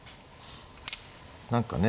何かね